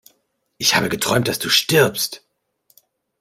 Ich habe geträumt, dass du stirbst!